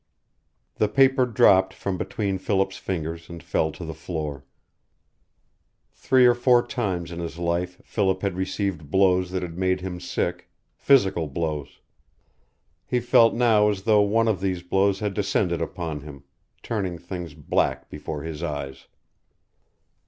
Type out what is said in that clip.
The paper dropped from between Philip's fingers and fell to the floor. Three or four times in his life Philip had received blows that had made him sick physical blows. He felt now as though one of these blows had descended upon him, turning things black before his eyes.